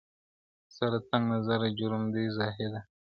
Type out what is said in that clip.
ستا له تنګ نظره جُرم دی ذاهده-